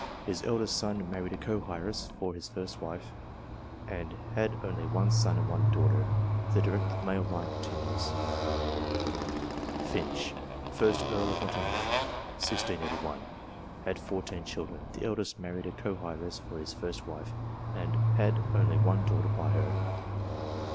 His eldest son married a co heiress for his first wife, and had only one son and one daughter. The direct male line continues. 126 ENGLISH PEERAGES, Finch, 1st Earl of Nottingham (1681). Had fourteen children. The eldest married a co heiress for his first wife, and had only one daughter by her.